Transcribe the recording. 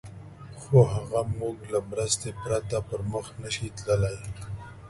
خو هغه زموږ له مرستې پرته پر مخ نه شي تللای.